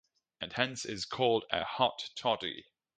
And hence is called a "Hot toddy".